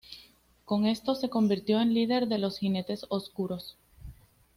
Con esto, se convirtió en líder de los Jinetes Oscuros.